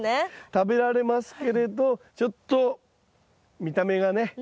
食べられますけれどちょっと見た目がね